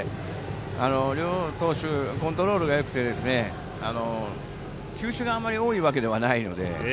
両投手コントロールがよくて球種があまり多いわけではないので。